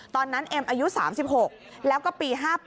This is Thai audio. ตอนนั้นเอ็มอายุ๓๖แล้วก็ปี๕๘